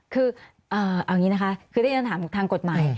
คือเอาอย่างนี้นะคะได้ถามทางกฎหมาย